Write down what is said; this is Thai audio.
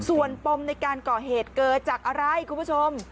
ส่วนปมในการก่อเหตุเกิดจากอะไรคุณผู้ชม